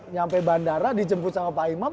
sampai bandara dijemput sama pak imam